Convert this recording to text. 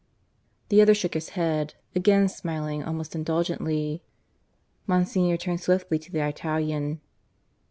The other shook his head, again smiling almost indulgently. Monsignor turned swiftly to the Italian.